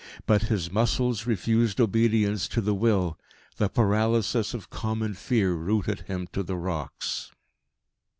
But his muscles refused obedience to the will. The paralysis of common fear rooted him to the rocks.